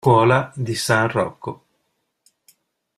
Scuola di San Rocco